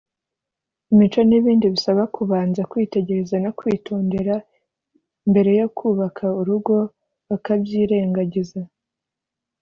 imico n’ibindi bisaba kubanza kwitegereza no kwitondera mbere yo kubaka urugo bakabyirengagiza